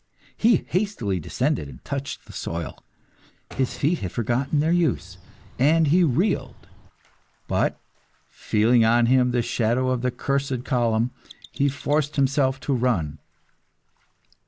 He hastily descended and touched the soil. His feet had forgotten their use, and he reeled. But, feeling on him the shadow of the cursed column, he forced himself to run.